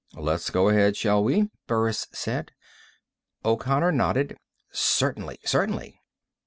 "Let's go ahead, shall we?" Burris said. O'Connor nodded. "Certainly. Certainly."